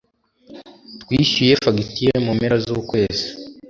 Twishyuye fagitire mu mpera zukwezi.